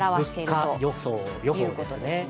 物価予報ですね。